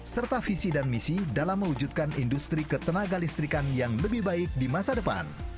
serta visi dan misi dalam mewujudkan industri ketenaga listrikan yang lebih baik di masa depan